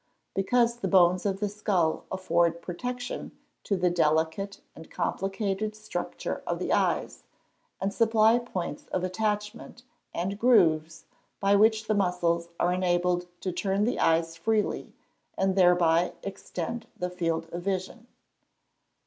_ Because the bones of the skull afford protection to the delicate and complicated structure of the eyes, and supply points of attachment, and grooves, by which the muscles are enabled to turn the eyes freely, and thereby extend the field of vision.